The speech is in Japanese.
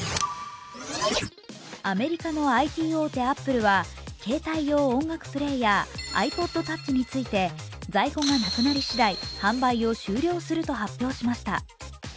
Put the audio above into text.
アメリカのＩＴ大手アップルは携帯用音楽プレーヤー、ｉＰｏｄｔｏｕｃｈについて在庫がなくなりしだい販売を終了すると発表しました。